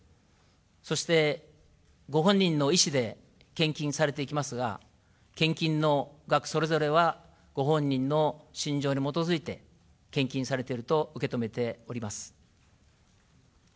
そして、ご本人の意思で献金されていきますが、献金の額それぞれは、ご本人の心情に基づいて、献金されていると受け止めております。